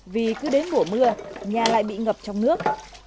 vì cứ đến mùa mưa nhà lại bị ngập trong nước